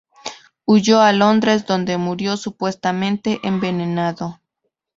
Huyó a Londres donde murió, supuestamente envenenado.